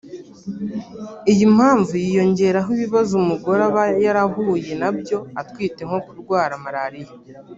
Iyi mpamvu yiyongeraho ibibazo umugore aba yarahuye nabyo atwite nko kurwara malariya